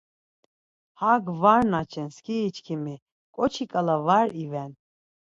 Hak var naçen skiri çkimi ǩoçi ǩala var iven.